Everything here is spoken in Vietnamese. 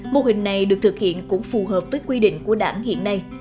mô hình này được thực hiện cũng phù hợp với quy định của đảng hiện nay